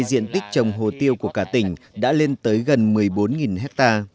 diện tích trồng hồ tiêu của cả tỉnh đã lên tới gần một mươi bốn ha